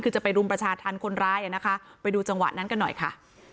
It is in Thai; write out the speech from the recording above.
คือจะไปรุมประชาธรรมคนร้ายอ่ะนะคะไปดูจังหวะนั้นกันหน่อยค่ะ